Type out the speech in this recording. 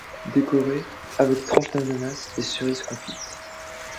Décoré avec tranche d'ananas, et cerise confite...